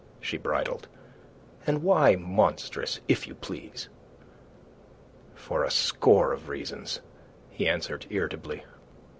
She bridled. "And why monstrous, if you please?" "For a score of reasons," he answered irritably.